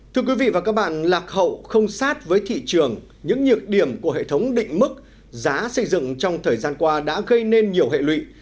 thưa quý vị và các bạn lạc hậu không sát với thị trường những nhược điểm của hệ thống định mức giá xây dựng trong thời gian qua đã gây nên nhiều hệ lụy